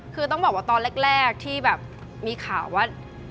คือต้องบอกว่าตอนแรกที่แบบมีข่าวว่า